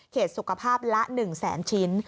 สุขภาพละ๑แสนชิ้น